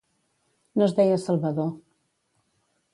No es deia Salvador.